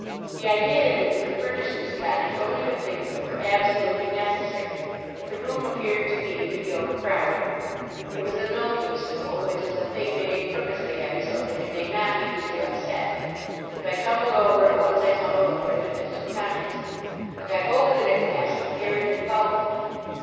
The idea had been to furnish this cottage only with things that were absolutely necessary, but the room appeared to me to be overcrowded. There was a milking stool, which is a thing made purposely heavy so that it may not be easily upset. If I tumbled over it once I tumbled over it a dozen times. I got hold of it at last and carried it about with me.